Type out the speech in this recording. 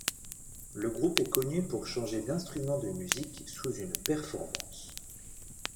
Le groupe est connu pour changer d'instruments de musique sous une performance.